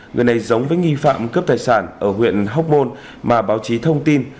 người này giống với nghi phạm cướp tài sản ở huyện hóc môn mà báo chí thông tin